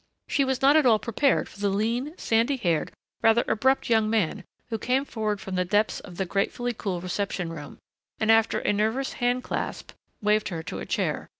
She was not at all prepared for the lean, sandy haired, rather abrupt young man who came forward from the depths of the gratefully cool reception room, and after a nervous hand clasp waved her to a chair.